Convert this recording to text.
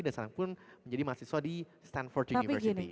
dan sekarang pun menjadi mahasiswa di stanford university